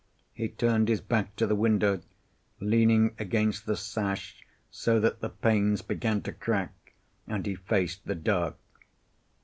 He turned his back to the window, leaning against the sash so that the panes began to crack, and he faced the dark.